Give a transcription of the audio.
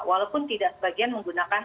walaupun tidak sebagian menggunakan